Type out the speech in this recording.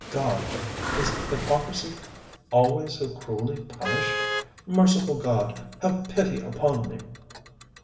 God! is hypocrisy always so cruelly punished? Merciful God, have pity upon me!"